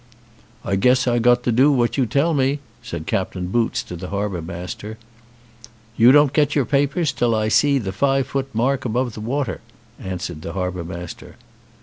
"I guess I got to do what you tell me," said Captain Boots to the harbour master. "You don't get your papers till I see the five foot mark above the water," answered the harbour master.